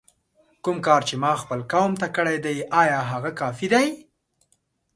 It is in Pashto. کوم کار چې ما خپل قوم ته کړی دی آیا هغه کافي دی؟!